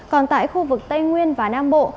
còn tại khu vực tây nguyên và nam bộ